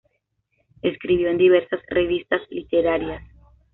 Escribió en diversas revistas literarias.